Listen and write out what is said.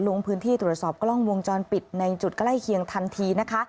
ลงพื้นที่ตรวจสอบกล้องวงจรปิดในจุดใกล้เคียงทันทีนะคะ